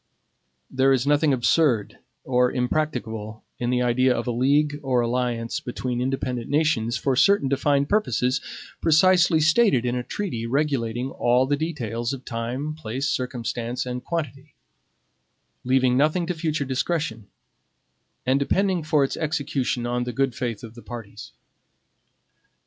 There is nothing absurd or impracticable in the idea of a league or alliance between independent nations for certain defined purposes precisely stated in a treaty regulating all the details of time, place, circumstance, and quantity; leaving nothing to future discretion; and depending for its execution on the good faith of the parties.